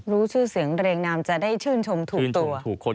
รู้ชื่อเสียงเรียงนามจะได้ชื่นชมถูกตัว